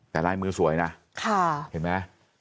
แต่ลายมือสวยนะเห็นไหม